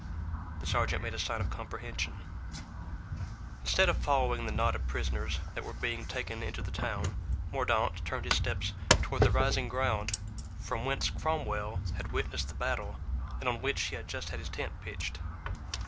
The sergeant made a sign of comprehension. Instead of following the knot of prisoners that were being taken into the town, Mordaunt turned his steps toward the rising ground from whence Cromwell had witnessed the battle and on which he had just had his tent pitched.